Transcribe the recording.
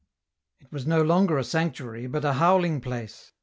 It was no longer a sanctuary, but a howling place.